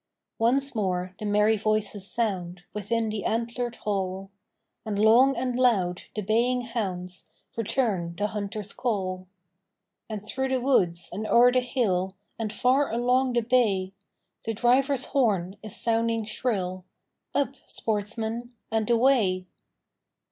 Once more the merry voices sound Within the antlered hall, And long and loud the baying hounds Return the hunter's call; And through the woods, and o'er the hill, And far along the bay, The driver's horn is sounding shrill, Up, sportsmen, and away!